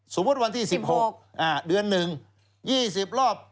สมมุติวันที่๑๖เดือนหนึ่ง๒๐รอบ